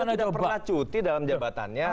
dia tidak pernah cuti dalam jabatannya